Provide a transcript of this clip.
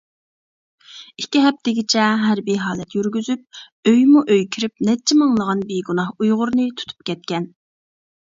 ئىككى ھەپتىگىچە ھەربىي ھالەت يۈرگۈزۈپ، ئۆيمۇ -ئۆي كىرىپ نەچچە مىڭلىغان بىگۇناھ ئۇيغۇرنى تۇتۇپ كەتكەن.